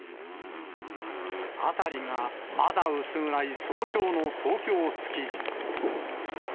辺りがまだ薄暗い早朝の東京・築地。